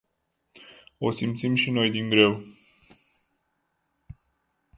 O simțim și noi din greu.